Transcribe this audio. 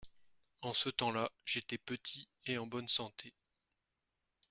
En ce temps-là j’étais petit et en bonne santé.